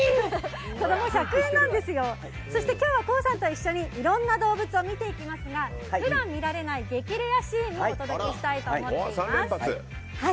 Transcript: そして今日はＫＯＯさんと一緒にいろんな動物を見ていきますが普段、見られない激レアシーンもお届けしたいと思っています。